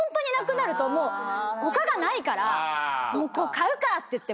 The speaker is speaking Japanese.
買うかって言って。